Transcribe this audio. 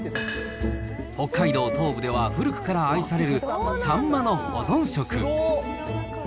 北海道東部では古くから愛されるサンマの保存食。